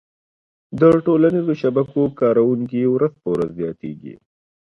د ټولنیزو شبکو کارونکي ورځ په ورځ زياتيږي